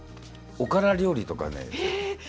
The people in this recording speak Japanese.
おから料理とか。